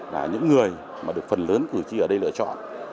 là những người mà được phần lớn cử tri ở đây lựa chọn